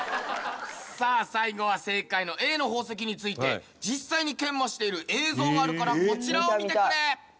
さあ最後は正解のＡの宝石について実際に研磨している映像があるからこちらを見てくれ！